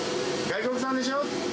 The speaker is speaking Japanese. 外国産でしょう。